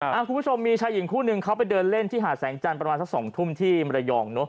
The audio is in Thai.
คุณผู้ชมมีชายหญิงคู่หนึ่งเขาไปเดินเล่นที่หาดแสงจันทร์ประมาณสักสองทุ่มที่มรยองเนอะ